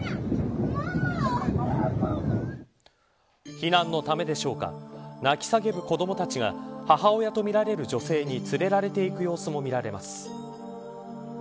避難のためでしょうか泣き叫ぶ子どもたちが母親とみられる女性に連れられていく様子も見られます。